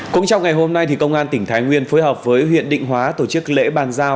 cũng trong ngày hôm nay công an tỉnh thái nguyên phối hợp với huyện định hóa tổ chức lễ bàn giao